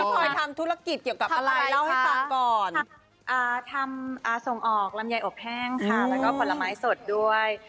พลอยทำธุรกิจเกี่ยวกับอะไรเล่าให้ฟังก่อนทำส่งออกลำไยอบแห้งค่ะแล้วก็ผลไม้สดด้วย